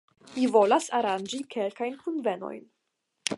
Mi volas aranĝi kelkajn kunvenojn.